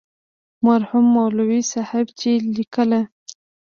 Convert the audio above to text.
مرحوم مولوي صاحب چې لیکله.